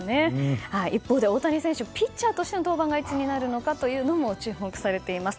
一方で大谷選手ピッチャーとしての登板がいつになるのかというのも注目されています。